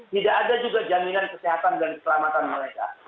tidak ada juga jaminan kesehatan dan keselamatan mereka